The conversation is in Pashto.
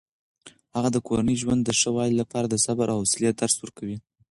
هغه د کورني ژوند د ښه والي لپاره د صبر او حوصلې درس ورکوي.